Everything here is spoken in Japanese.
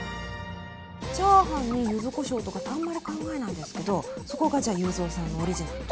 チャーハンに柚子こしょうとかってあんまり考えないんですけどそこがじゃ裕三さんのオリジナル。